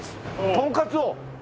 とんかつを！